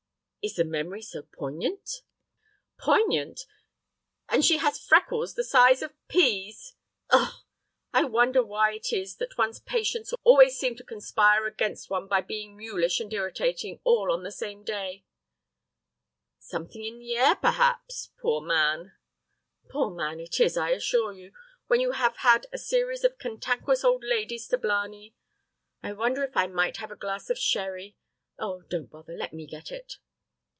"Is the memory so poignant?" "Poignant! And she has freckles the size of pease. Ugh! I wonder why it is that one's patients always seem to conspire against one by being mulish and irritating all on the same day?" "Something in the air, perhaps. Poor man!" "Poor man, it is, I assure you, when you have had a series of cantankerous old ladies to blarney. I wonder if I might have a glass of sherry? Oh, don't bother, let me get it."